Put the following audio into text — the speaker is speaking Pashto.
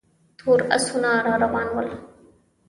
تور آسونه را روان ول.